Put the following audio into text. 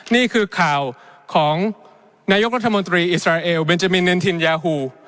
นี่คือข่าวของนายกรัฐมนตรีอิสราเอลเบนจามินเนนทินยาฮู